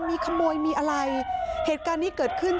หมาก็เห่าตลอดคืนเลยเหมือนมีผีจริง